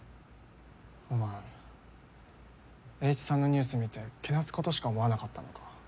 お前エーイチさんのニュース見てけなすことしか思わなかったのか？